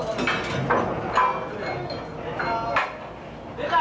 出た？